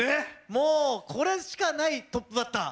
もう、これしかないトップバッター。